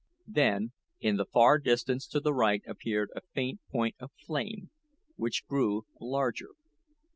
Then in the far distance to the right appeared a faint point of flame, which grew larger.